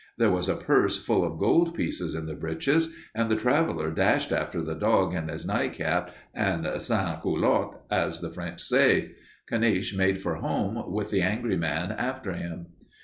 There was a purse full of gold pieces in the breeches, and the traveler dashed after the dog in his nightcap and sans culottes, as the French say. Caniche made for home with the angry man after him.